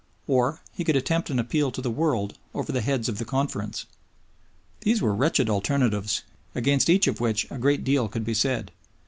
Or he could attempt an appeal to the world over the heads of the Conference. These were wretched alternatives, against each of which a great deal could be said.